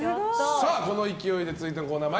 この勢いで続いてのコーナー